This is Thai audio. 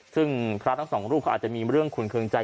ซึ่งพระทั้งสองรูปเขาอาจจะมีเรื่องขุนเครื่องใจ